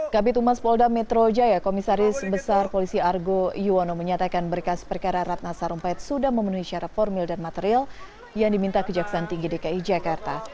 kabit humas polda metro jaya komisaris besar polisi argo yuwono menyatakan berkas perkara ratna sarumpait sudah memenuhi syarat formil dan material yang diminta kejaksaan tinggi dki jakarta